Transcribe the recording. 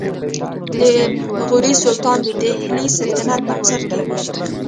د غوري سلطانانو د دهلي سلطنت بنسټ کېښود